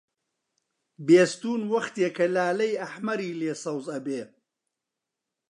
بێستوون وەختێ کە لالەی ئەحمەری لێ سەوز ئەبێ